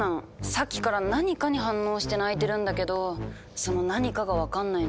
さっきから何かに反応して鳴いてるんだけどその何かが分かんないの。